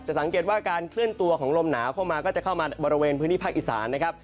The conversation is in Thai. สังเกตว่าการเคลื่อนตัวของลมหนาวเข้ามาก็จะเข้ามาบริเวณพื้นที่ภาคอีสานนะครับ